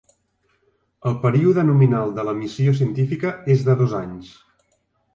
El període nominal de la missió científica és de dos anys.